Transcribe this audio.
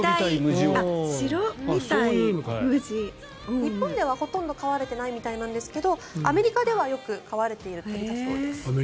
日本ではほとんど飼われていないみたいなんですがアメリカではよく飼われているそうです。